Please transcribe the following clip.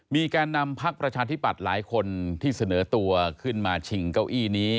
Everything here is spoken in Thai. แก่นำพักประชาธิปัตย์หลายคนที่เสนอตัวขึ้นมาชิงเก้าอี้นี้